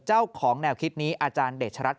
เจ้าของแนวคิดนี้อาจารย์เดชรัฐ